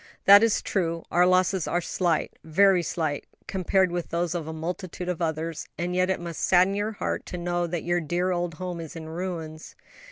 "That is true; our losses are slight, very slight, compared with those of multitudes of others; and yet it must sadden your heart to know that your dear old home is in ruins."